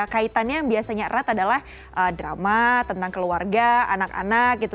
kaitannya yang biasanya erat adalah drama tentang keluarga anak anak gitu